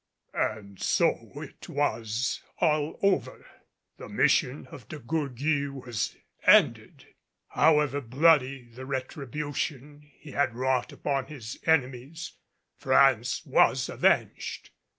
And so it was all over. The mission of De Gourgues was ended. However bloody the retribution he had wrought upon his enemies, France was avenged.